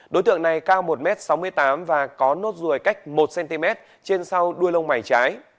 đối tượng này cao một m sáu mươi tám và có nốt ruồi cách một cm trên sau đuôi lông mày trái